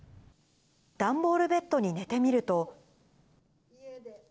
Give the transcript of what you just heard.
段ボールベッドに寝てみると。